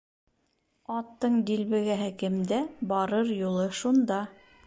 Аттың дилбегәһе кемдә, барыр юлы шунда.